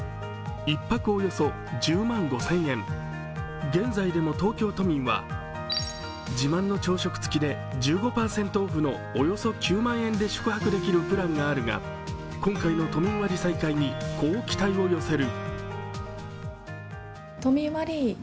１泊およそ１０万５０００円、現在でも東京都民は自慢の朝食付きで１５％オフのおよそ９万円で宿泊できるプランがあるが今回の都民割再開に、こう期待を寄せる。